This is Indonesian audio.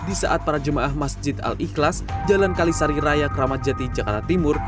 di saat para jemaah masjid al ikhlas jalan kalisari raya kramat jati jakarta timur